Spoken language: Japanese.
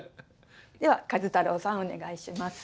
では壱太郎さんお願いします。